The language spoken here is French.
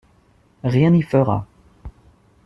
Rien n'y fera.